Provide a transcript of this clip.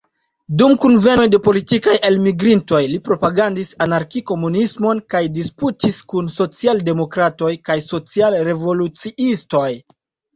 Dum kunvenoj de politikaj elmigrintoj li propagandis anarki-komunismon kaj disputis kun social-demokratoj kaj social-revoluciistoj.